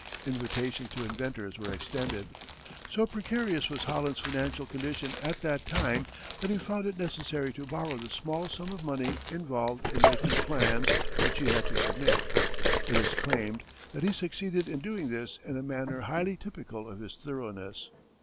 Invitations to inventors were extended. So precarious was Holland's financial condition at that time that he found it necessary to borrow the small sum of money involved in making plans which he had to submit. It is claimed that he succeeded in doing this in a manner highly typical of his thoroughness.